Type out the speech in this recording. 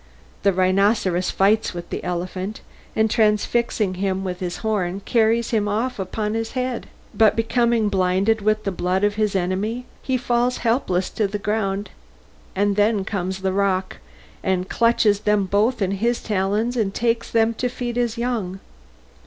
The rhinoceros fights with the elephant, and transfixing him with his horn carries him off upon his head, but becoming blinded with the blood of his enemy, he falls helpless to the ground, and then comes the roc, and clutches them both up in his talons and takes them to feed his young.